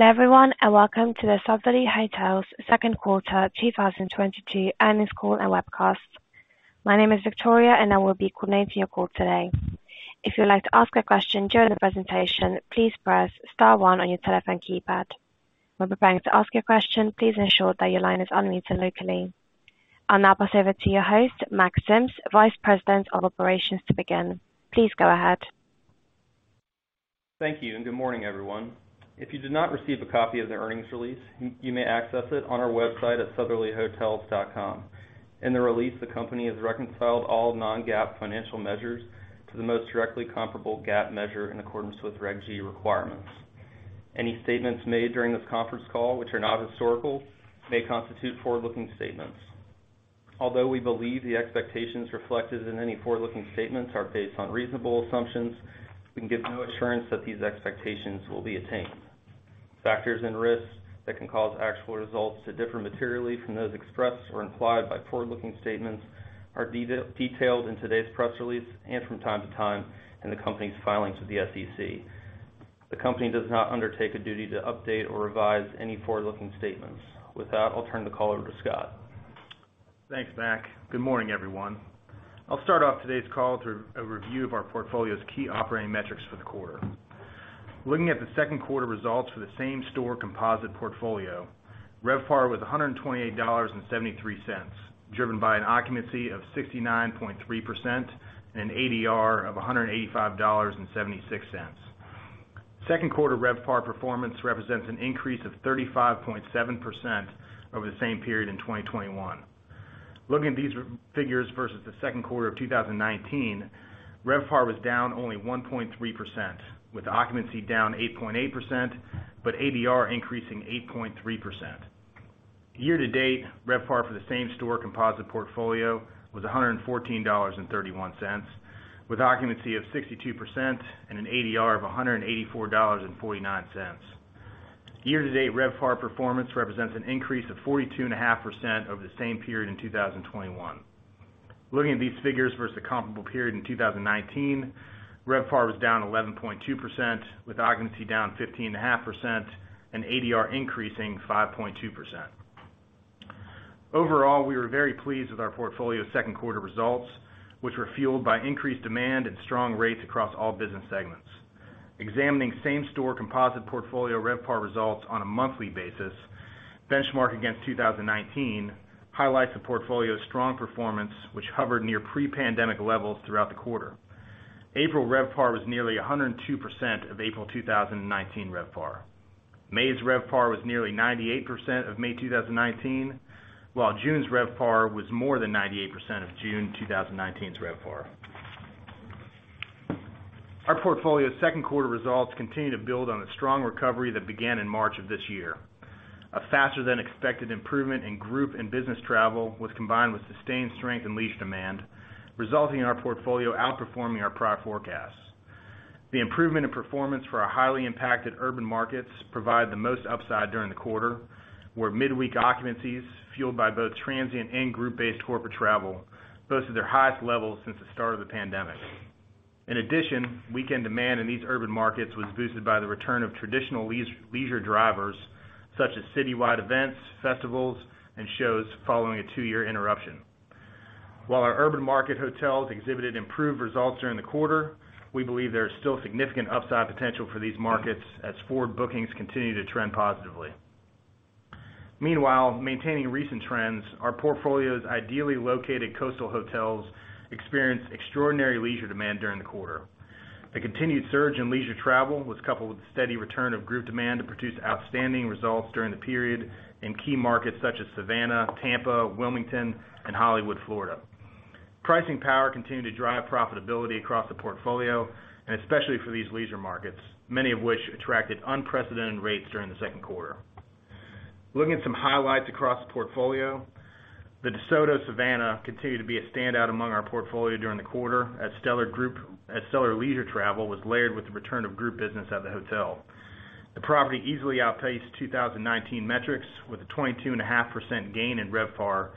Hello everyone, and welcome to the Sotherly Hotels second quarter 2022 earnings call and webcast. My name is Victoria, and I will be coordinating your call today. If you would like to ask a question during the presentation, please press star one on your telephone keypad. When preparing to ask your question, please ensure that your line is unmuted locally. I'll now pass over to your host, Mack Sims, Vice President of Operations, to begin. Please go ahead. Thank you, and good morning, everyone. If you did not receive a copy of the earnings release, you may access it on our website at sotherlyhotels.com. In the release, the company has reconciled all non-GAAP financial measures to the most directly comparable GAAP measure in accordance with Reg G requirements. Any statements made during this conference call which are not historical may constitute forward-looking statements. Although we believe the expectations reflected in any forward-looking statements are based on reasonable assumptions, we can give no assurance that these expectations will be attained. Factors and risks that can cause actual results to differ materially from those expressed or implied by forward-looking statements are detailed in today's press release and from time to time in the company's filings with the SEC. The company does not undertake a duty to update or revise any forward-looking statements. With that, I'll turn the call over to Scott. Thanks, Mack. Good morning, everyone. I'll start off today's call to review of our portfolio's key operating metrics for the quarter. Looking at the second quarter results for the same-store composite portfolio, RevPAR was $128.73, driven by an occupancy of 69.3% and an ADR of $185.76. Second quarter RevPAR performance represents an increase of 35.7% over the same period in 2021. Looking at these figures versus the second quarter of 2019, RevPAR was down only 1.3%, with occupancy down 8.8% but ADR increasing 8.3%. Year to date, RevPAR for the same-store composite portfolio was $114.31, with occupancy of 62% and an ADR of $184.49. Year to date RevPAR performance represents an increase of 42.5% over the same period in 2021. Looking at these figures versus the comparable period in 2019, RevPAR was down 11.2%, with occupancy down 15.5% and ADR increasing 5.2%. Overall, we were very pleased with our portfolio's second quarter results, which were fueled by increased demand and strong rates across all business segments. Examining same-store composite portfolio RevPAR results on a monthly basis, benchmarked against 2019 highlights the portfolio's strong performance, which hovered near pre-pandemic levels throughout the quarter. April RevPAR was nearly 102% of April 2019 RevPAR. May's RevPAR was nearly 98% of May 2019, while June's RevPAR was more than 98% of June 2019's RevPAR. Our portfolio's second quarter results continue to build on a strong recovery that began in March of this year. A faster than expected improvement in group and business travel was combined with sustained strength and lease demand, resulting in our portfolio outperforming our prior forecasts. The improvement in performance for our highly impacted urban markets provide the most upside during the quarter, where midweek occupancies, fueled by both transient and group-based corporate travel, boasted their highest levels since the start of the pandemic. In addition, weekend demand in these urban markets was boosted by the return of traditional leisure drivers such as citywide events, festivals, and shows following a two-year interruption. While our urban market hotels exhibited improved results during the quarter, we believe there is still significant upside potential for these markets as forward bookings continue to trend positively. Meanwhile, maintaining recent trends, our portfolio's ideally located coastal hotels experienced extraordinary leisure demand during the quarter. The continued surge in leisure travel was coupled with the steady return of group demand to produce outstanding results during the period in key markets such as Savannah, Tampa, Wilmington, and Hollywood, Florida. Pricing power continued to drive profitability across the portfolio, and especially for these leisure markets, many of which attracted unprecedented rates during the second quarter. Looking at some highlights across the portfolio, The DeSoto Savannah continued to be a standout among our portfolio during the quarter as stellar leisure travel was layered with the return of group business at the hotel. The property easily outpaced 2019 metrics, with a 22.5% gain in RevPAR,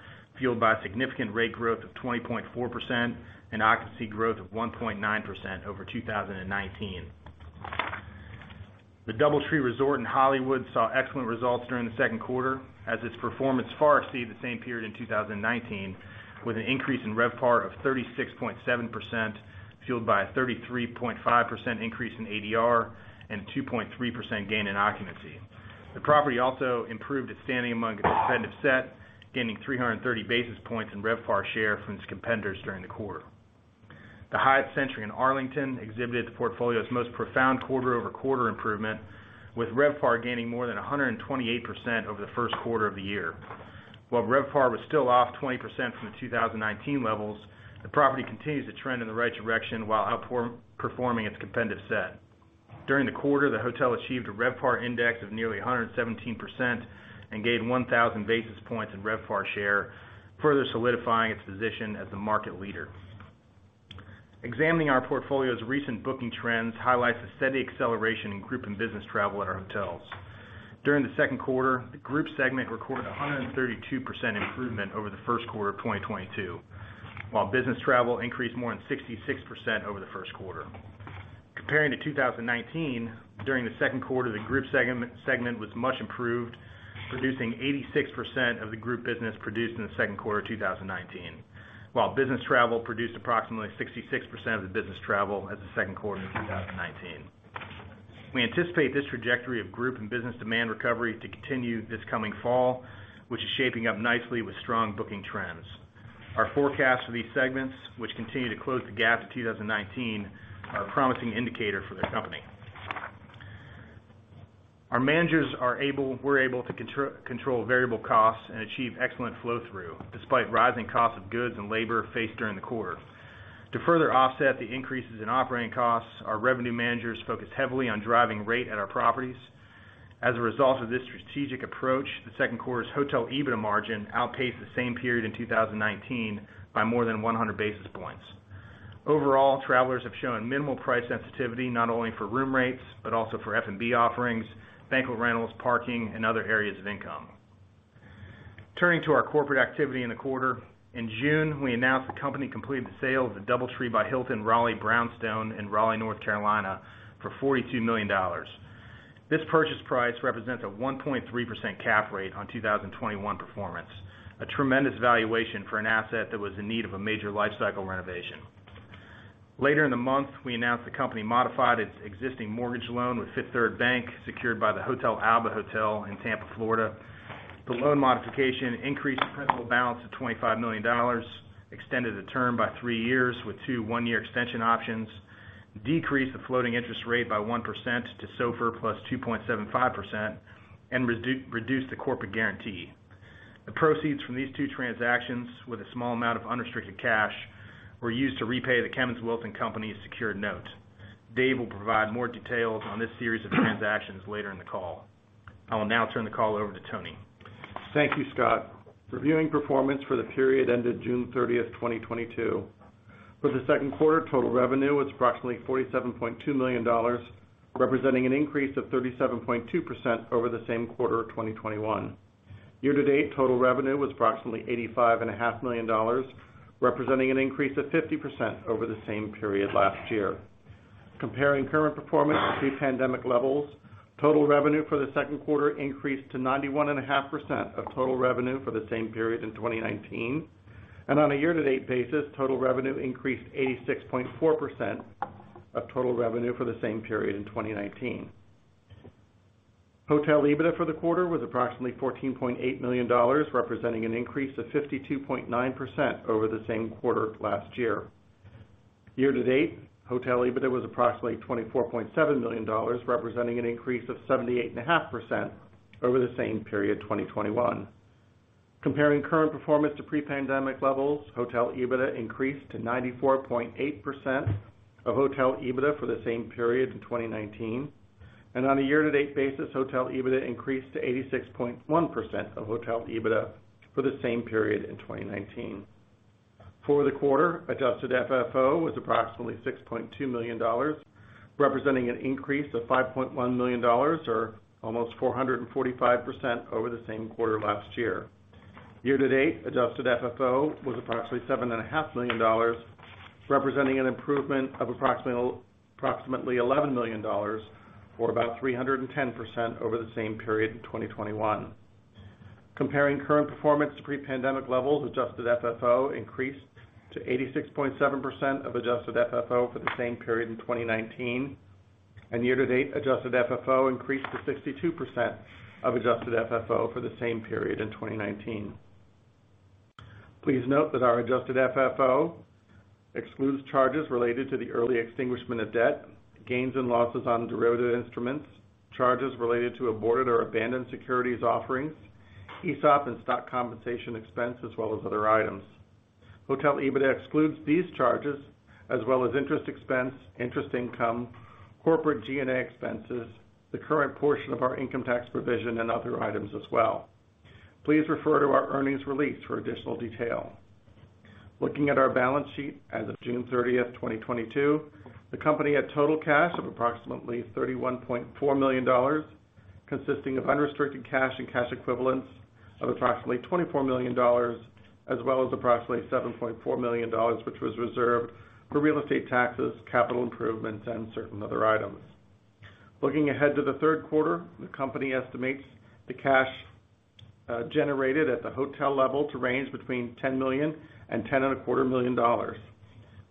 fueled by significant rate growth of 20.4% and occupancy growth of 1.9% over 2019. The DoubleTree Resort by Hilton Hollywood Beach saw excellent results during the second quarter as its performance far exceeded the same period in 2019, with an increase in RevPAR of 36.7%, fueled by a 33.5% increase in ADR and a 2.3% gain in occupancy. The property also improved its standing among its competitive set, gaining 330 basis points in RevPAR share from its competitors during the quarter. The Hyatt Centric Arlington exhibited the portfolio's most profound quarter-over-quarter improvement, with RevPAR gaining more than 128% over the first quarter of the year. While RevPAR was still off 20% from the 2019 levels, the property continues to trend in the right direction while outperforming its competitive set. During the quarter, the hotel achieved a RevPAR index of nearly 117% and gained 1,000 basis points in RevPAR share, further solidifying its position as the market leader. Examining our portfolio's recent booking trends highlights the steady acceleration in group and business travel at our hotels. During the second quarter, the group segment recorded 132% improvement over the first quarter of 2022. While business travel increased more than 66% over the first quarter. Compared to 2019, during the second quarter, the group segment was much improved, producing 86% of the group business produced in the second quarter of 2019, while business travel produced approximately 66% of the business travel in the second quarter of 2019. We anticipate this trajectory of group and business demand recovery to continue this coming fall, which is shaping up nicely with strong booking trends. Our forecast for these segments, which continue to close the gap to 2019, are a promising indicator for the company. Our managers were able to control variable costs and achieve excellent flow through, despite rising costs of goods and labor faced during the quarter. To further offset the increases in operating costs, our revenue managers focused heavily on driving rate at our properties. As a result of this strategic approach, the second quarter's hotel EBITDA margin outpaced the same period in 2019 by more than 100 basis points. Overall, travelers have shown minimal price sensitivity, not only for room rates, but also for F&B offerings, banquet rentals, parking, and other areas of income. Turning to our corporate activity in the quarter, in June, we announced the company completed the sale of the DoubleTree by Hilton Raleigh Brownstone in Raleigh, North Carolina, for $42 million. This purchase price represents a 1.3% cap rate on 2021 performance, a tremendous valuation for an asset that was in need of a major lifecycle renovation. Later in the month, we announced the company modified its existing mortgage loan with Fifth Third Bank, secured by the Hotel Alba in Tampa, Florida. The loan modification increased the principal balance to $25 million, extended the term by three years with two 1-year extension options, decreased the floating interest rate by 1% to SOFR plus 2.75%, and reduced the corporate guarantee. The proceeds from these two transactions with a small amount of unrestricted cash were used to repay the Kemmons Wilson Companies' secured note. Dave will provide more details on this series of transactions later in the call. I will now turn the call over to Tony. Thank you, Scott. Reviewing performance for the period ended June 30th, 2022. For the second quarter, total revenue was approximately $47.2 million, representing an increase of 37.2% over the same quarter of 2021. Year to date, total revenue was approximately $85.5 million, representing an increase of 50% over the same period last year. Comparing current performance to pre-pandemic levels, total revenue for the second quarter increased to 91.5% of total revenue for the same period in 2019. On a year-to-date basis, total revenue increased to 86.4% of total revenue for the same period in 2019. Hotel EBITDA for the quarter was approximately $14.8 million, representing an increase of 52.9% over the same quarter last year. Year to date, hotel EBITDA was approximately $24.7 million, representing an increase of 78.5% over the same period, 2021. Comparing current performance to pre-pandemic levels, hotel EBITDA increased to 94.8% of hotel EBITDA for the same period in 2019. On a year to date basis, hotel EBITDA increased to 86.1% of hotel EBITDA for the same period in 2019. For the quarter, adjusted FFO was approximately $6.2 million, representing an increase of $5.1 million, or almost 445% over the same quarter last year. Year to date, adjusted FFO was approximately $7.5 million, representing an improvement of approximately eleven million dollars, or about 310% over the same period in 2021. Comparing current performance to pre-pandemic levels, Adjusted FFO increased to 86.7% of Adjusted FFO for the same period in 2019. Year to date, Adjusted FFO increased to 62% of Adjusted FFO for the same period in 2019. Please note that our Adjusted FFO excludes charges related to the early extinguishment of debt, gains and losses on derivative instruments, charges related to aborted or abandoned securities offerings, ESOP and stock compensation expense, as well as other items. Hotel EBITDA excludes these charges as well as interest expense, interest income, corporate G&A expenses, the current portion of our income tax provision, and other items as well. Please refer to our earnings release for additional detail. Looking at our balance sheet as of June 30, 2022, the company had total cash of approximately $31.4 million, consisting of unrestricted cash and cash equivalents of approximately $24 million, as well as approximately $7.4 million, which was reserved for real estate taxes, capital improvements, and certain other items. Looking ahead to the third quarter, the company estimates the cash generated at the hotel level to range between $10 million and $10 and a quarter million.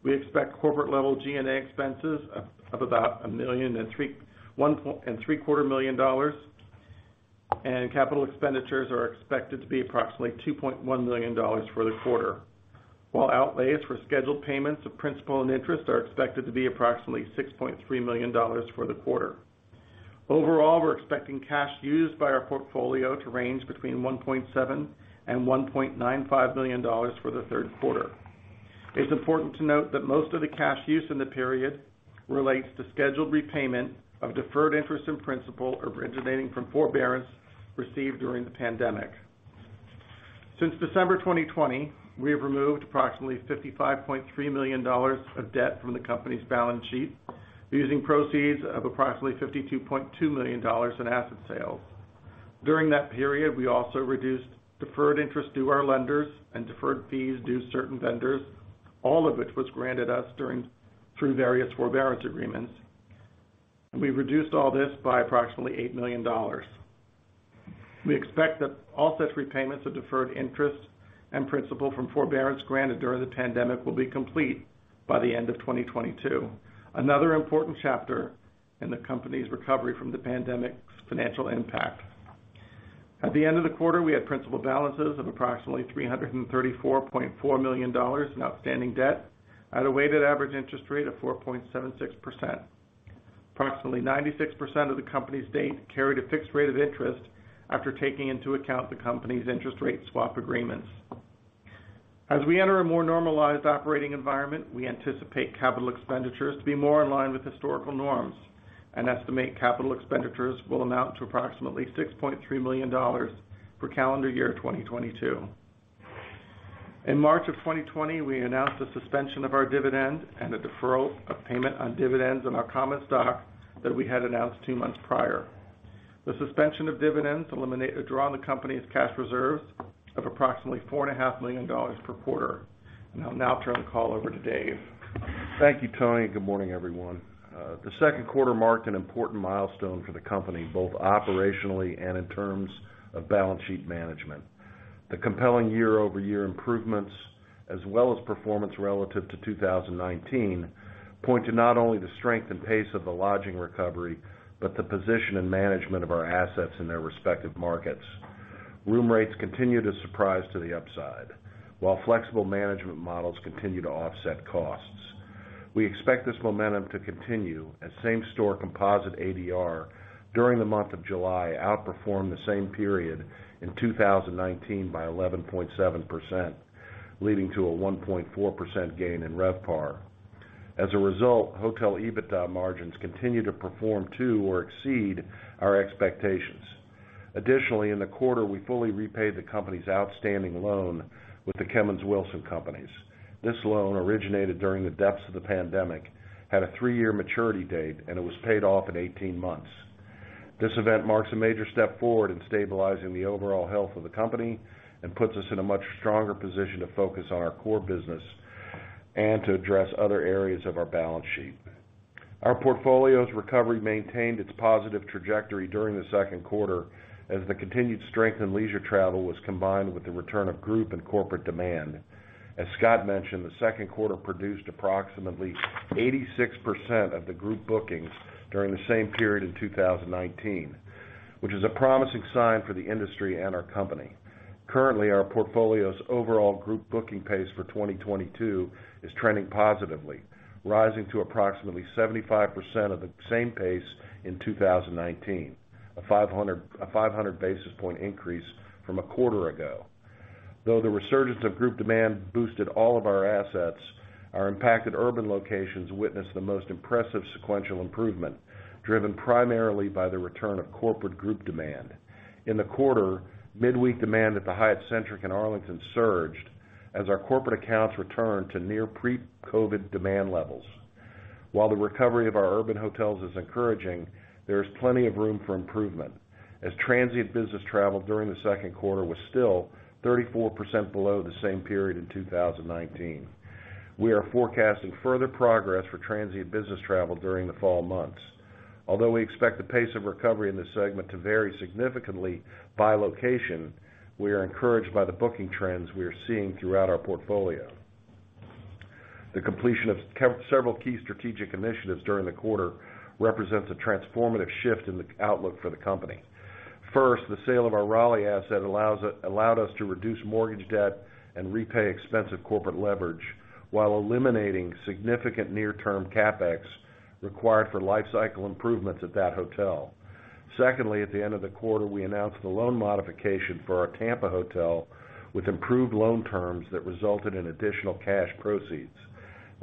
We expect corporate-level G&A expenses of about $1 and three-quarter million, and capital expenditures are expected to be approximately $2.1 million for the quarter. Outlays for scheduled payments of principal and interest are expected to be approximately $6.3 million for the quarter. Overall, we're expecting cash used by our portfolio to range between $1.7 million-$1.95 million for the third quarter. It's important to note that most of the cash use in the period relates to scheduled repayment of deferred interest and principal originating from forbearance received during the pandemic. Since December 2020, we have removed approximately $55.3 million of debt from the company's balance sheet using proceeds of approximately $52.2 million in asset sales. During that period, we also reduced deferred interest due to our lenders and deferred fees due to certain vendors, all of which was granted us through various forbearance agreements. We've reduced all this by approximately $8 million. We expect that all such repayments of deferred interest and principal from forbearance granted during the pandemic will be complete by the end of 2022, another important chapter in the company's recovery from the pandemic's financial impact. At the end of the quarter, we had principal balances of approximately $334.4 million in outstanding debt at a weighted average interest rate of 4.76%. Approximately 96% of the company's debt carried a fixed rate of interest after taking into account the company's interest rate swap agreements. As we enter a more normalized operating environment, we anticipate capital expenditures to be more in line with historical norms and estimate capital expenditures will amount to approximately $6.3 million for calendar year 2022. In March 2020, we announced the suspension of our dividend and a deferral of payment on dividends on our common stock that we had announced two months prior. The suspension of dividends draw on the company's cash reserves of approximately $4.5 million per quarter. I'll now turn the call over to Dave. Thank you, Tony. Good morning, everyone. The second quarter marked an important milestone for the company, both operationally and in terms of balance sheet management. The compelling year-over-year improvements, as well as performance relative to 2019, point to not only the strength and pace of the lodging recovery, but the position and management of our assets in their respective markets. Room rates continue to surprise to the upside, while flexible management models continue to offset costs. We expect this momentum to continue as same-store composite ADR during the month of July outperformed the same period in 2019 by 11.7%, leading to a 1.4% gain in RevPAR. As a result, hotel EBITDA margins continue to perform to or exceed our expectations. Additionally, in the quarter, we fully repaid the company's outstanding loan with the Kemmons Wilson Companies. This loan originated during the depths of the pandemic, had a 3-year maturity date, and it was paid off in 18 months. This event marks a major step forward in stabilizing the overall health of the company and puts us in a much stronger position to focus on our core business and to address other areas of our balance sheet. Our portfolio's recovery maintained its positive trajectory during the second quarter as the continued strength in leisure travel was combined with the return of group and corporate demand. As Scott mentioned, the second quarter produced approximately 86% of the group bookings during the same period in 2019, which is a promising sign for the industry and our company. Currently, our portfolio's overall group booking pace for 2022 is trending positively, rising to approximately 75% of the same pace in 2019, a 500 basis point increase from a quarter ago. Though the resurgence of group demand boosted all of our assets, our impacted urban locations witnessed the most impressive sequential improvement, driven primarily by the return of corporate group demand. In the quarter, midweek demand at the Hyatt Centric Arlington surged as our corporate accounts returned to near pre-COVID demand levels. While the recovery of our urban hotels is encouraging, there is plenty of room for improvement, as transient business travel during the second quarter was still 34% below the same period in 2019. We are forecasting further progress for transient business travel during the fall months. Although we expect the pace of recovery in this segment to vary significantly by location, we are encouraged by the booking trends we are seeing throughout our portfolio. The completion of several key strategic initiatives during the quarter represents a transformative shift in the outlook for the company. First, the sale of our Raleigh asset allowed us to reduce mortgage debt and repay expensive corporate leverage while eliminating significant near-term CapEx required for lifecycle improvements at that hotel. Secondly, at the end of the quarter, we announced the loan modification for our Tampa hotel with improved loan terms that resulted in additional cash proceeds.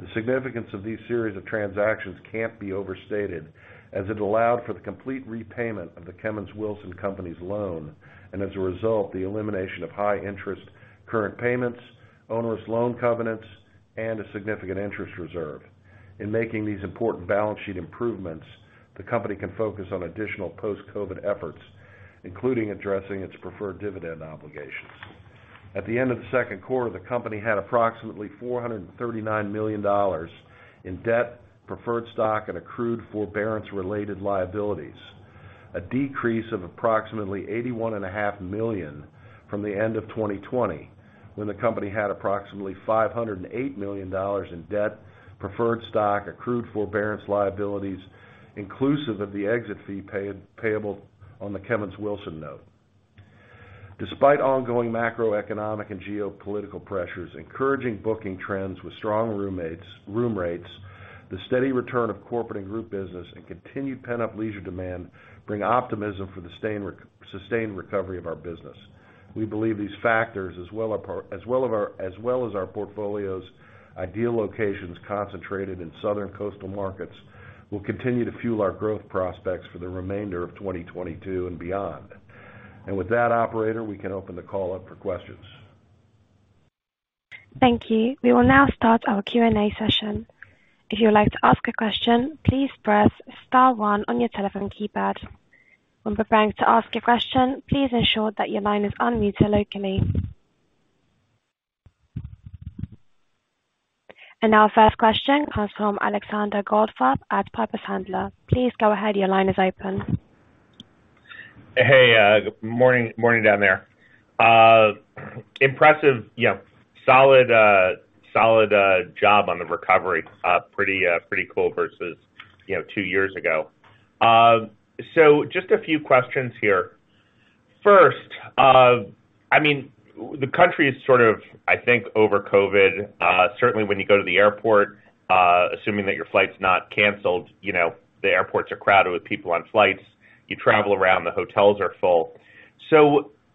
The significance of these series of transactions can't be overstated, as it allowed for the complete repayment of the Kemmons Wilson Companies' loan, and as a result, the elimination of high interest current payments, onerous loan covenants, and a significant interest reserve. In making these important balance sheet improvements, the company can focus on additional post-COVID efforts, including addressing its preferred dividend obligations. At the end of the second quarter, the company had approximately $439 million in debt, preferred stock, and accrued forbearance-related liabilities, a decrease of approximately $81.5 million from the end of 2020, when the company had approximately $508 million in debt, preferred stock, accrued forbearance liabilities, inclusive of the exit fee payable on the Kemmons Wilson note. Despite ongoing macroeconomic and geopolitical pressures, encouraging booking trends with strong room rates, the steady return of corporate and group business, and continued pent-up leisure demand bring optimism for the sustained recovery of our business. We believe these factors, as well as our portfolio's ideal locations concentrated in southern coastal markets, will continue to fuel our growth prospects for the remainder of 2022 and beyond. With that, operator, we can open the call up for questions. Thank you. We will now start our Q&A session. If you would like to ask a question, please press star one on your telephone keypad. When preparing to ask a question, please ensure that your line is un-muted locally. Our first question comes from Alexander Goldfarb at Piper Sandler. Please go ahead. Your line is open. Hey, good morning down there. Impressive, yeah, solid job on the recovery. Pretty cool versus, you know, two years ago. Just a few questions here. First, I mean, the country is sort of, I think, over COVID. Certainly when you go to the airport, assuming that your flight's not canceled, you know, the airports are crowded with people on flights. You travel around, the hotels are full.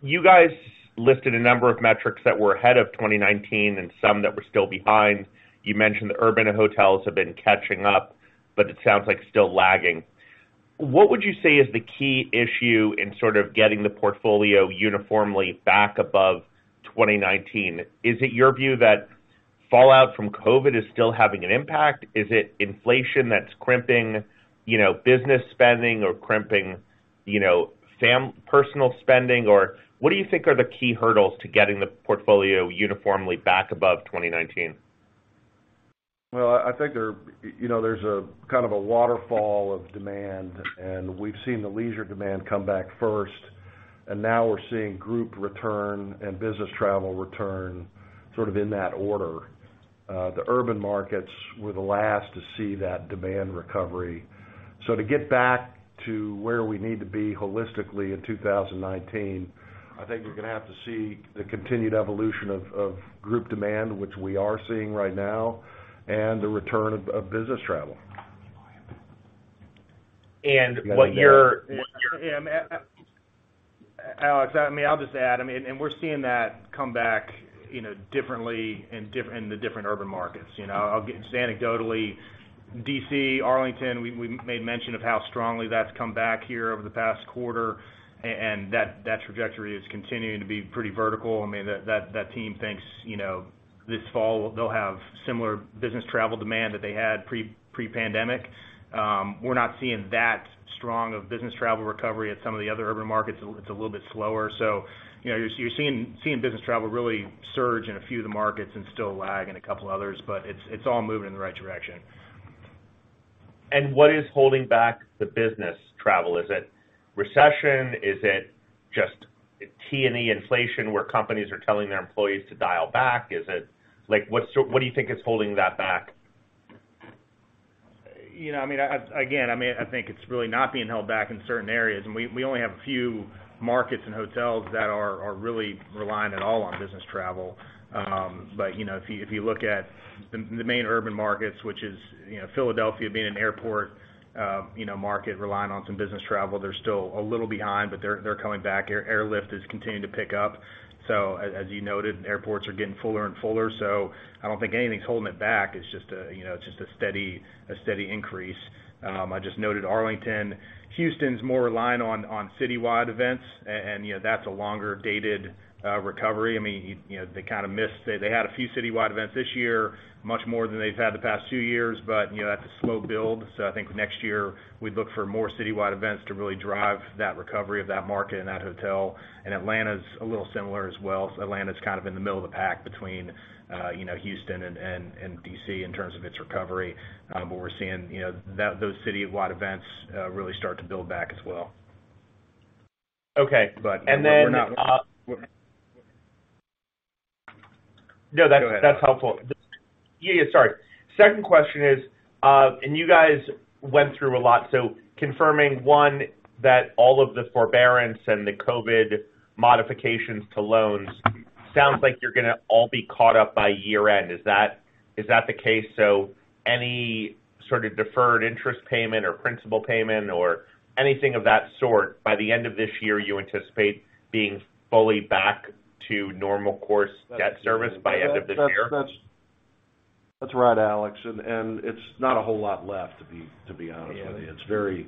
You guys listed a number of metrics that were ahead of 2019 and some that were still behind. You mentioned the urban hotels have been catching up, but it sounds like still lagging. What would you say is the key issue in sort of getting the portfolio uniformly back above 2019? Is it your view that fallout from COVID is still having an impact? Is it inflation that's crimping, you know, business spending or crimping, you know, personal spending? Or what do you think are the key hurdles to getting the portfolio uniformly back above 2019? Well, I think there, you know, there's a kind of a waterfall of demand, and we've seen the leisure demand come back first, and now we're seeing group return and business travel return sort of in that order. The urban markets were the last to see that demand recovery. To get back to where we need to be holistically in 2019, I think you're gonna have to see the continued evolution of group demand, which we are seeing right now, and the return of business travel. What you're Alex, I mean, I'll just add, I mean, we're seeing that come back, you know, differently in the different urban markets. You know, I'll just say anecdotally, D.C., Arlington, we made mention of how strongly that's come back here over the past quarter, and that trajectory is continuing to be pretty vertical. I mean, that team thinks, you know, this fall they'll have similar business travel demand that they had pre-pandemic. We're not seeing that strong of business travel recovery at some of the other urban markets. It's a little bit slower. You know, you're seeing business travel really surge in a few of the markets and still lag in a couple others, but it's all moving in the right direction. What is holding back the business travel? Is it recession? Is it just T&E inflation, where companies are telling their employees to dial back? Is it like, what do you think is holding that back? You know, I mean, again, I think it's really not being held back in certain areas, and we only have a few markets and hotels that are really relying at all on business travel. You know, if you look at the main urban markets, which is, you know, Philadelphia being an airport, you know, market, relying on some business travel, they're still a little behind, but they're coming back. Airlift is continuing to pick up. As you noted, airports are getting fuller and fuller, so I don't think anything's holding it back. It's just, you know, a steady increase. I just noted Arlington. Houston's more reliant on citywide events and, you know, that's a longer-dated recovery. I mean, you know, they kind of missed. They had a few citywide events this year, much more than they've had the past two years. You know, that's a slow build, so I think next year we'd look for more citywide events to really drive that recovery of that market and that hotel. Atlanta's a little similar as well. Atlanta's kind of in the middle of the pack between, you know, Houston and D.C. in terms of its recovery. We're seeing, you know, those citywide events really start to build back as well. Okay. We're not. And then, uh... Go ahead. No, that's helpful. Yeah, sorry. Second question is, you guys went through a lot, so confirming one, that all of the forbearance and the COVID modifications to loans sounds like you're gonna all be caught up by year-end. Is that the case? Any sort of deferred interest payment or principal payment or anything of that sort, by the end of this year, you anticipate being fully back to normal course debt service by end of this year? That's right, Alex. It's not a whole lot left, to be honest with you. Yeah.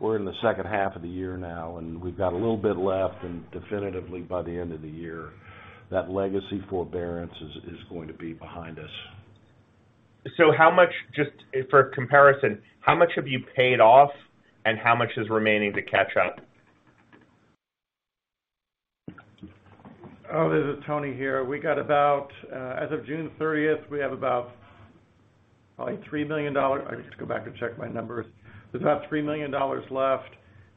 We're in the second half of the year now, and we've got a little bit left, and definitively by the end of the year, that legacy forbearance is going to be behind us. how much, just for comparison, how much have you paid off, and how much is remaining to catch up? Oh, this is Tony here. We got about as of June 30th, we have about probably $3 million. I just go back and check my numbers. There's about $3 million left,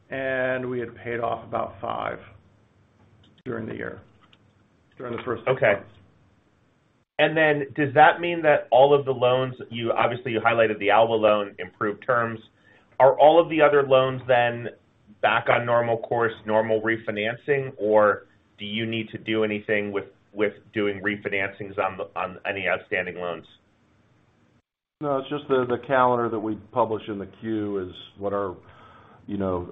and we had paid off about $5 million during the year, during the first six months. Okay. Does that mean that all of the loans, obviously you highlighted the Alba loan improved terms. Are all of the other loans then back on normal course, normal refinancing, or do you need to do anything with doing refinancings on any outstanding loans? No, it's just the calendar that we publish in the Q is what our, you know,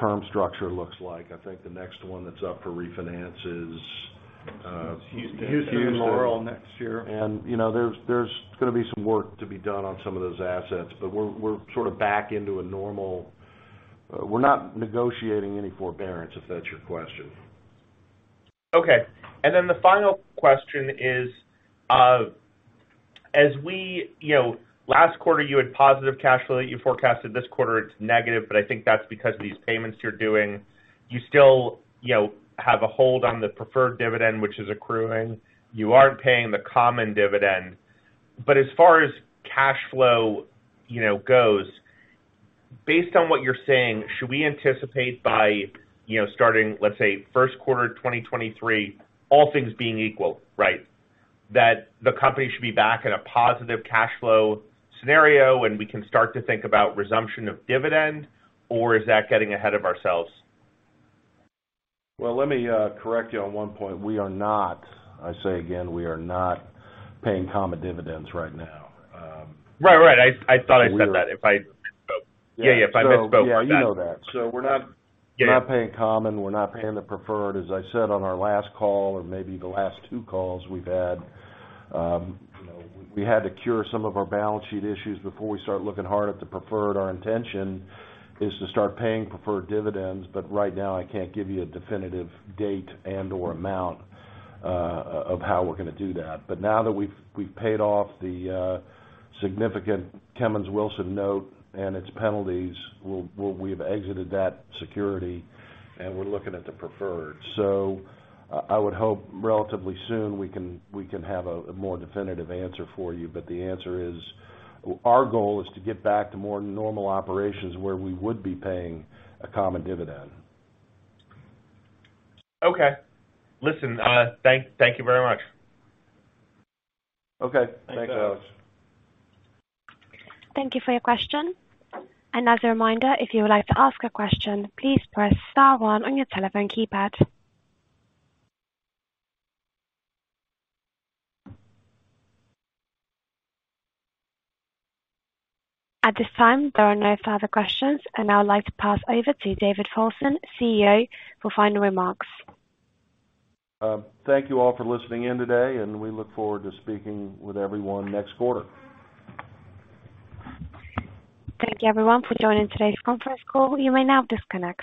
term structure looks like. I think the next one that's up for refinance is The Whitehall next year. You know, there's gonna be some work to be done on some of those assets. We're sort of back into a normal. We're not negotiating any forbearance, if that's your question. Okay. The final question is, you know, last quarter you had positive cash flow that you forecasted. This quarter, it's negative, but I think that's because these payments you're doing. You still, you know, have a hold on the preferred dividend, which is accruing. You aren't paying the common dividend. But as far as cash flow, you know, goes, based on what you're saying, should we anticipate by, you know, starting, let's say, first quarter of 2023, all things being equal, right? That the company should be back in a positive cash flow scenario, and we can start to think about resumption of dividend, or is that getting ahead of ourselves? Well, let me correct you on one point. We are not, I say again, we are not paying common dividends right now. Right. I thought I said that. If I misspoke. Yeah, if I misspoke, I apologize. Yeah. You know that. We're not Yeah. We're not paying common. We're not paying the preferred, as I said on our last call or maybe the last two calls we've had. You know, we had to cure some of our balance sheet issues before we start looking hard at the preferred. Our intention is to start paying preferred dividends, but right now I can't give you a definitive date and or amount of how we're gonna do that. Now that we've paid off the significant Kemmons Wilson note and its penalties, we've exited that security, and we're looking at the preferred. I would hope relatively soon we can have a more definitive answer for you. The answer is our goal is to get back to more normal operations where we would be paying a common dividend. Okay. Listen, thank you very much. Okay. Thanks, Alex. Thank you for your question. As a reminder, if you would like to ask a question, please press star one on your telephone keypad. At this time, there are no further questions. I would like to pass over to David Folsom, CEO, for final remarks. Thank you all for listening in today, and we look forward to speaking with everyone next quarter. Thank you everyone for joining today's conference call. You may now disconnect.